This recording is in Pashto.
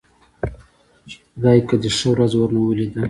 خدايکه دې ښه ورځ ورنه ولېده.